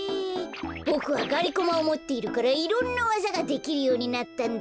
ボクはがりコマをもっているからいろんなわざができるようになったんだ。